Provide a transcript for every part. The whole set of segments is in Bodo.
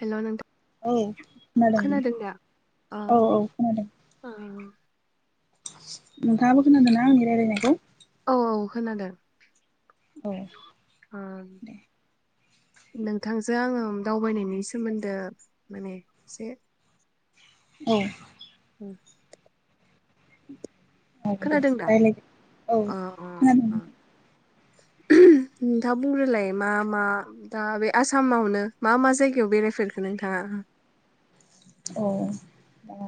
हेल' नोंथां औ खोनादों अ औ औ खोनादों औ नोंथां आबो खोनादोंना आंनि रायलायनायखौ औ खोनादों औ ओ दे नोंथांजों आङो दावबायनायनि सोमोन्दो माने एसे औ उम औ दे दा रायज्लायदो औ अ अ खोनादों नोंथाङा बुंग्रोरलाय मा मा दा बे आसामावनो मा मा जायगायाव बेरायफेरखो नोंथाङा औ दा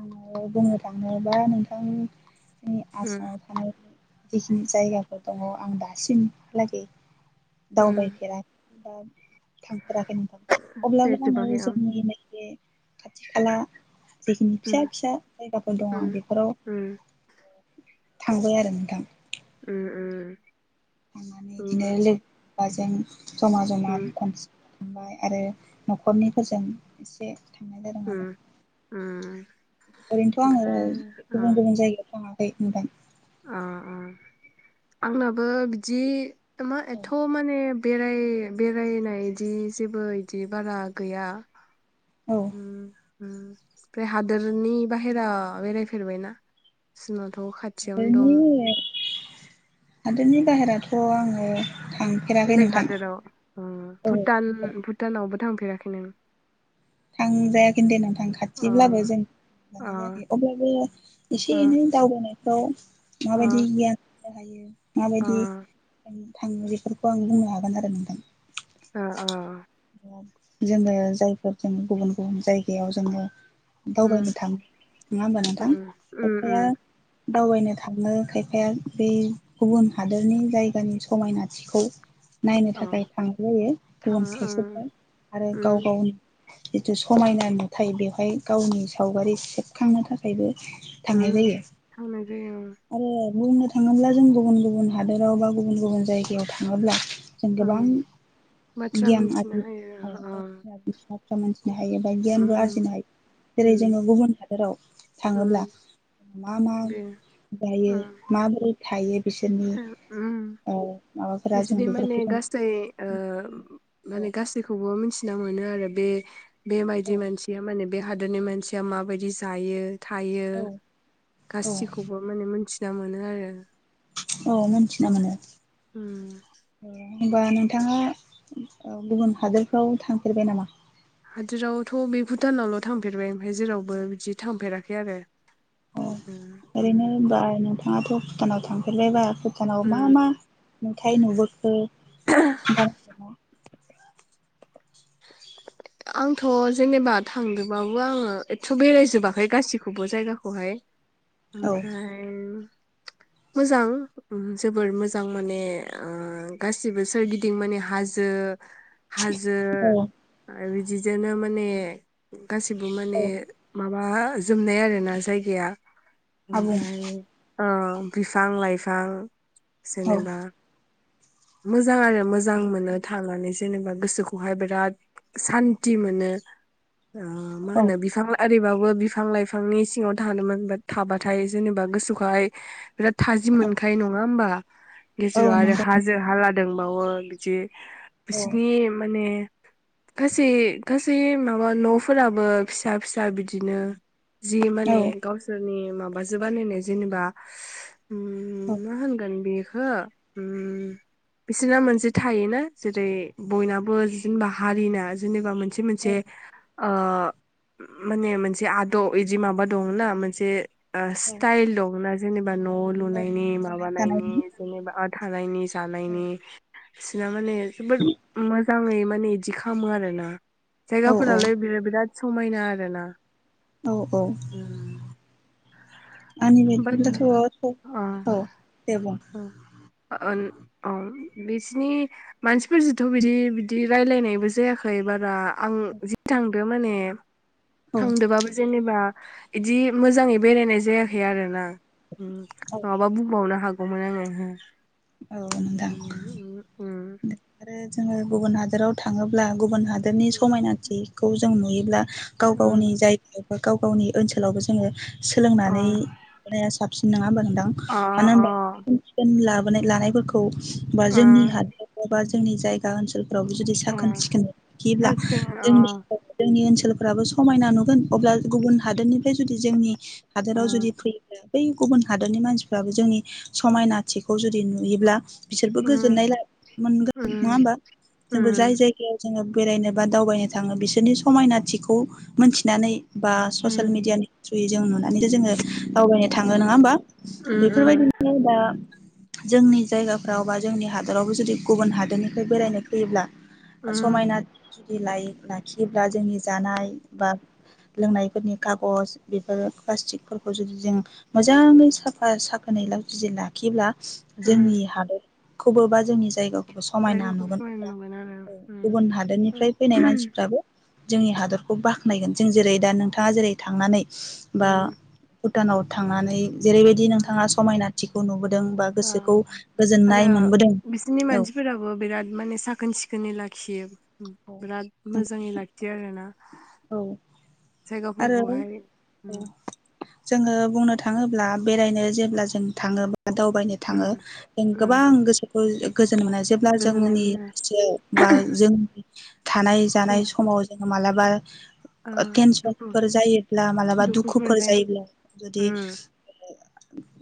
आङो बुंनो थाङोबा नोंथांनि जोंनि उम आसामाव थानाय जिखिनि जायगाफोर दङ आं दासिमलागै उम दावबाय फेरा दा थांफेराखै माने अब्लाबो आङो बेरायजोबाखै अ जोंनि नैबे खाथि खाला जिखिनि उम फिसा फिसा जायगाफोर दं उम आं बेफोराव उम थांबाय आरो नोंथां उम उम बिदिनो उम लोगो बाजों जमा जमा उम खनस आमबाय आरो नखरनिफोरजों एसे थांनाय जादों आरो ओम ओम ओरैनोथ आङो गुबुन गुबुन जायगायाव थांआ खै नोंथां अ अ आंनाबो बिदि मा औ एथ माने बेराय बेरायनायदि जेबो इदि बारा गैया औ उम ओम ओमफ्राय हादोरनि बाहेरा बेरायफेरबायना? सिमा हादरनि हादरनि। बाहेरावथ' आङो थांफेराखै बेलेग नोंथां हादोराव ओ औ भुटान भुटानावबो थांफ खेराखै नो थांजायाखै दे नोंथां खाथिब्लाबो अ जों अ थांनाय जायाखै अब्लाबो एसे अ एनै दावबायनाय औ। माबायदि अ गियान हायो अ माबायदि थाङो बेफोरखौ आं बुंनो हागोन आरो नोंथां। अ अ। जोङो जायफोर जों गुबुन गुबुन जायगायाव जोङो उम दावबायनो थांङो नङा होमबा नोंथां उम उम खायफाया उम दावबायनो थाङो खायफाया बे गुबुन हादोरनि जायगानि समायनाथिखौ नायनो अ थाखाय थां जायो थाङो गुबुन साइसे ओं आरो उम गाव गावनि जिथु समायना नुथाय बेवहाय गावनि सावगारि सेबखांनो थाखायबो उ थांनाय जायो थांना जायो उम। आरो बुंनो थाङोब्ला जों गुबुन गुबुन हादोराव बा गुबुन गुबुन जायगायाव थाङोब्ला जों गोबां ओं बाथ्रा गियान मिथिनो आरो ब हायो अ बाथ्रा मोनथिनो हायो बा गियानबो उम आरजिनो हायो जेरै उम जोङो गुबुन हादोराव थाङोब्ला उम मा मा बे जायो उम माबोरै थायो। बिसोरनि उम ओ माबाफोरा जों बिसनि माने बेफोरखौ गासै ओ माने जों गासैखौ खौबो मिथिना मोनो आरो बे बेबायायदि औ मानसिया माने बे हादरनि मानसिया माबायदि जायो। थायो औ औ गासिखौबो माने मोनथि। मोजां मोनो आरो। औ मोनथिना उम मोनो। उम होनबा नोंथाङा औ गुबुन हादोरफ्राव थांफेरबाय नामा? हादोरावथ' बे भुटानावल' थांफेरबाय ओमफाय जेरावबो बिदि थांफेराखै आरो। अ उम ओरैनो उम बाय बिथाङाथ' भुटानाव थांफेरबायबा भुटानाव मा उम मा नुथायाइ नुबोखो? आंथ' जेनेबा थांदोंबाबो आङो एथ' बेरायजोबाखै गासिखौबो जायगाखौहाय। औ ओमफ्राय मोजां उम जोबोर मोजां माने ओ गासिबो सोरगिदिं माने हाजो हाजो औ आरो बिदिजोंनो माने गासिबो माने औ मा माबा जोबनाय आरोना जायगाया। आबुं ओमफ्राय, अ। बिफां लाइफां औ जेनेबा मोजां आरो मोजां मोनो थानानै जेनेबा गोसोखौहाय बिराद सान्थि मोनो। अ मा औ होनो बिफां आरै बाव बो बिफां लाइफांनि सिङाव थानो मोन- थाबाथाय जेनेबा गोसोखौहाय बिराद थाजि औ मोनखाय नङा होमबा? [unintelligible] आरो नंगौ हाजो हाला रोंबावो बिदि औ बिसिनि माने गासै गासै माबा न' फोराबो फिसा फिसा बिदिनो जि औ माने गावसोरनि मो माबाजो बानायनाय जेनेबा उम औ मा होनगोन बे ओ उम बिसोरना मोनसे थायोना जेरै बयनाबो बिदिनो बाह हारिना जेनेबा मोनसे मोनसे मोनसे अ माने मोनसे आदब बिदि माबा दंना मोनसे ओ औ स्टाइल दंना बा न' औ लुनायनि जानाय माबानायनि थानायनि जेनेबा थानायनि जालायनि सिना माने जोबोद मोजाङै [unintelligible] बिदि खालामो आरोना। औ औ जायगाफोरालाय बिरा-बिराद समायना आरोना औ औ आंनि बाट बायदिब्लाथ' अ औ दे बुं औ बिसिनि मानसिफोरजोंथ' बिदि बिदि रायलायनायबो जायाखै बारा आं जि थांदो माने औ थांदोंबाबो जेनेबा इदि मोजाङै बेरायनाय जाया खै आरो ना औ नङाबा बुंबावनो हाग गौमोन आङो औ नोंथां उम उम आरो जोङो गुबुन हादोराव थाङोब्ला गुबुन हाद दोरनि उम समायनाथिखौ जों नुयोब्ला गाव गावनि उम जायगायाव गाव गावनि ओनसोलावबो जोङो अ सोलोंनानै लानाया साब सिन नङा होनबा नों थां अ मानो अ होनब्ला खोमसि खोमला माने लानायफोरखौ बा अ जोंनि हादोर [inaudible] बा जोंनि जायगा ओनसोल रावबो जुदि अ साखोन सिखोनै लाखियोब्ला सानसेखौनो अ जोंनि जोंनि ओनसो सोलफ्राबो समायना नुगोन अब्ला गुबुन हादोरनिफ्राय जुदि जोंनि अ हादोराव जुदि फैयो बै गुबुन हादरनि मानसिफ्राबो जोंनि समायना थि खौ जुदि नुयोब्ला बिसोरबो उम गोजोननाय ला-मोनगोन नङा उम होमबा जोंबो जाय उम जायगायाव जोङो बेरायनो बा दावबायनो थाङो बिसोरनि समायनाथिखौ मोनथिनानै बा उम ससियेल मिडियानि थ्रुयै जों नुनो नानैथ' जोङो दावबायनो थाङो। उम नङा होमबा? उम उम बेफोरबायदिनो दा जोंनि जायगाफ्राव बा जोंनि हादोरावबो जुदि गुबुन हादोरनिफ्राय बेरायनो फैयोब्ला उम समायना जुदि लायो लाखियो बा जोंनि जानाय बा लोंनायफोरनि खागज बेफोर प्लास्टिकफोरखौ जुदि जों मोजाङै साफा साखोनै ला [unintelligible] लाखिब्ला उम जोंनि हादोर खौबो बा जोंनि जायग समायना जायगाखौ नुगोन समायना अब्ला नुगोन आरो औ उम गुबुन हादोरनिफ्राय उम फैनाय मानसिफ्राबो जोंनि हादरखौ बाख्नायगोन जों जेरै दा नोंथाङा जेरै थांनानै बा उम भुटानाव थांनानै जेरैबायदि नोंथाङा समायना थिखौ नुबोदों बा ओम गोसोखौ गोजोननाय आरो मोनबोदों बिसोरनि औ मानसिफोराबो बिराद माने साखोन सिखोनै लाख खियोबो बिराद मोजाङै लाखियो आरोना औ आरो जायगाफोरखौहाय उ जोङो बुंनो थाङोब्ला बेरायनो जेब्ला जों थाङोब दावबायनो उम थाङो जों उम गोबां गोसो [unintelligible] गोज जोननोमोन [unintelligible] जेब्ला गोजोननाय जोंनि मोनो [unintelligible] थियाव बा जों थानाय जों जानाय समाव जों मालाबा ओ टेनसन दुखु फोर जायोब्ला मालाबा दुखुफोर जायोब्ला उम जुदि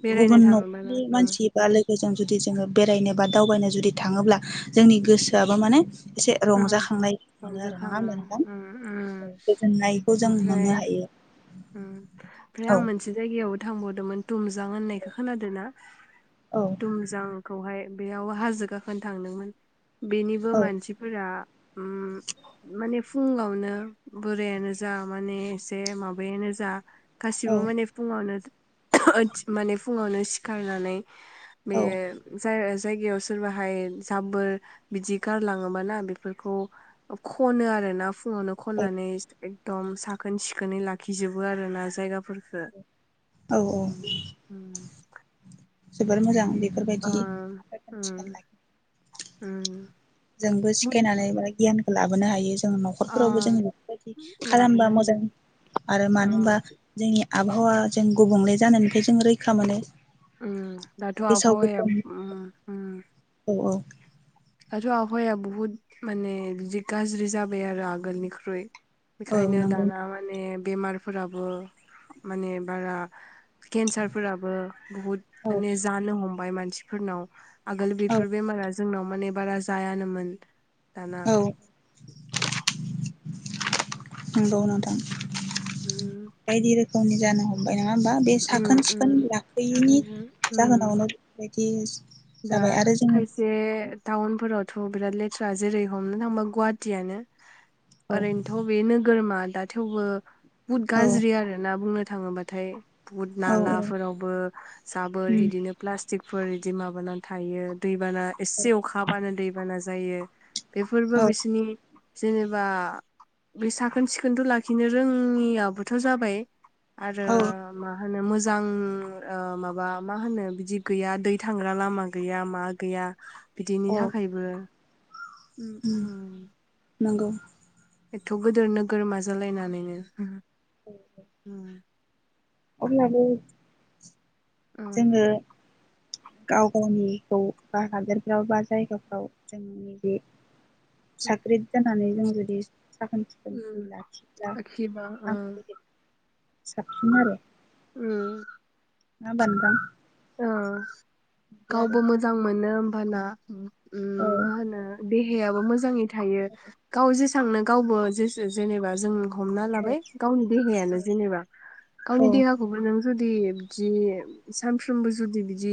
बेरायनो गुबुन थाङोबानो न'खरनि उम मानसि बा लो जों जुदि जोङो बेरायनो बा दावबायनो जुदि थाङोब्ला जोंनि गोसोआबो माने उम रंजाखांनाय मोनो आरो नङा रंजाखाङो होमबा नोंथां उम उम गोजोननायखौ जों मोननो ओमफ्राय हायो। उम ओमफ्राय औ आं मोनसे जायगायावबो थांबावदोंमोन दुमजां होननायखो खोनादो ना? औ दुमजांखौहाय बेयाव हाजो गाखोनो थांदोंमोन। बेनिबो औ मानसिफोरा उ माने फुुंङावनो बोरायानो जा माने एसे मा [unintelligible] नो जा औ गासिबो माने फुङावनो माने फुङावनो सिखारनानै औ बेयो जा [unintelligible] जायगायाव सोरबाहाय जाबोर बिदि गारलाङोबा ना बेफोरखौ खनो आरो ना। फुङावनो औ खननानै दम साखोन सिखोनै लाख खिजोबो आरो ना जायगाफोरफोरखो औ ओ ओ जोबोर मोजां बेफोरबायदि साखिन सिखोन लाख ओम जोंबो सिखायनानै [unintelligible] गियानखौ लाबो बोनो हायो जों ओ न'खरफोरावबो जोङो बिफोर बादि लाबोनो खालामबा हायो मोजां आरो ओ मानो ओमबा जोंनि आबहावा जों गुबुंले जानायनिफ्राय जों रैखा मोनो उम दाथ' गेसाव आबहावा या गोफोन उम उम औ दाथ' आबहावाया बुहुत माने जि गाज्रि जाबाय आरो आगोलनिख्रुइ औ बेखायनो नंगौ दाना माने बेमारफोराबो माने बारा केन्सार फोराबो बहुत औ माने जानो हम फाइ मानसिफोरनाव आगोल औ बेफोर बेमारा जोंनाव माने बारा जायानोमोन दाना औ नंगौ नोंथां उम गावनि जानो हमबाय नङा होमबा बे उम साखोन उम सिखोन लाफैयैनि थारैनो उम जाहोनावनो बेबायदि दा जाबाय आरो जोङो औ थ' बिराद लेथ्रा जेरै हमनो थांबा गुवाहाटीयानो औ ओरैनोथ' बे नोगोरमा दा थेवबो बुत औ गाज्रि आरो ना बुंनो थाङोबाथाय बुट औ नालाफोरावबो जाबोर बिदिनो प्लास बेफोर इदि माबाना थायो दै एसे अखाहाबानो दैबाना जा जायो बेफोरबो औ बिसिनि जेनेबा बै साखोन सिखोनथ लाखिनो रोङियाबोथ जाबाय आरो औ होनो मोजां ओ माबा मा होनो बिदि गैया दै थांग्रा लामा गैया मा गैया बिदिनि औ थाखायबो उम उम नोंगौ एथ गोदोर नोगोर नाजालायनानैनो उम अब्लाबो जोंङो गाव गावनिखौ बा हादोरफ्राव बा जायगाफ्राव जोंनि बे साख्रिजों सानै जों जुदि साखोन सिखोन जुदि लाखिब्ला आखिबा ओ थामफै बिदै उम उम नोंङा होमबा नोंथां ओं बिदि आरो गावबो मोजां मोनो हाला उम उम औ माहोनो दे हायाबो मोजांङै थायो गाव जे थांनो गावबो जे जेनेबा जों हमना लाबाय गावनि देहायानो जेनेबा गावनि औ देहाखौबो‌ नों जुदि बिदि साम फ्रोमबो जुदि बिदि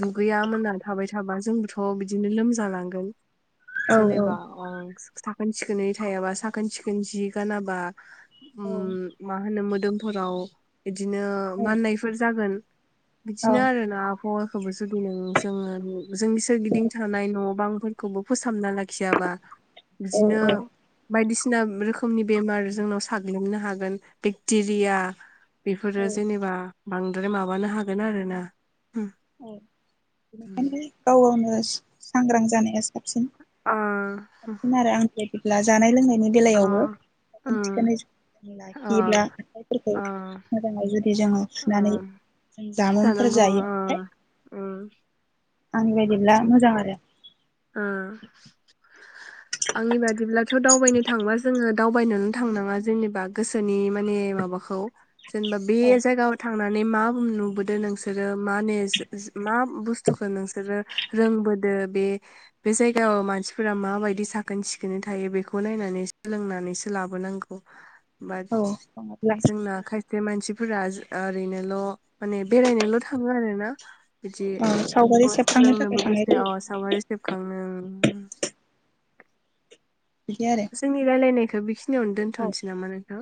दुगैया मोनना थाबाय थाबा जोंबोथ बिदिनो लोमजालांगोन औ जेनेबा अंस साखोन सिखोनै थायाबा साखोन सिखोन जि गानाबा औ उम माहोनो मो दोमफोराव बिदिनो माननायफोर जागोन बिदिनो आरो ना आफ हावाखौबो जोथोनै जोङोनो हो जोंनि सोरगिदिं थानाय न बांफोर खौबो फोसाबना लाखियाबा औ बिदिनो बायदिसिना बुंना रोखोमनि बेमार जोंनाव साग्लोबनो हागोन बेक्टेरिया बेफोरो जेनेबा बांद्राय माबानो हा बेना रोना औ औनो सांग्रां जानाया साबसिन अ [unintelligible] बिदिब्ला जानाय लोंनाय नि अ बेलायावबोन उम थिखोनै अ लाखियोब्ला आखाइफोरखौ अ मोजाङै जुदि जोङो अ सुनानै जामुंफोर जानांगौ अ जायोथाय उम आंनि बायदिब्ला मोजां आरो ओ आंनि बादिब्ला थ दावबायनो थांबा जोङो दावबायनो थांनाङा जेनेबा गोसोनि माने माबाखौ जेनेबा बे औ जायगायाव थां थांनानै मा नुबोदो नोंसोरो माने मा बुस्थुखौ नोंसोरो रोंबोदो बे बे जायगायाव मानसिफोरा माबायदि साखोन सिखोनै थायो बेखौ नायनानै सोलोंनानैसो लाबोनांगौ मान औ नङाब्ला जोंना खायसे मानसि फोरा ओरैनोल माने बेरायनोल थाङो आरो ना बिदि औ सावगारि थेबो सेबखांनो थाखाय सोलोंनोबो थांनाय गोसो जायो औ सावगारि खांनो बिदि आरो जोंनि रायलायनाय थोबिस खिनियावनो औ दोन्थनोसै नामा नोंथां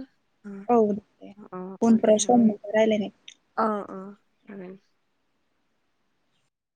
औ दे अ अ औ दे उनफोराव सम मोनबा रायलायनाय अ अ [unintelligible]